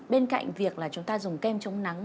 bên cạnh việc chúng ta dùng kem trồng nắng